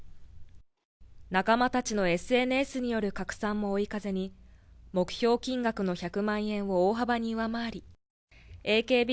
仲間たちのＳＮＳによる拡散も追い風に目標金額の１００万円を大幅に上回りＡＫＢ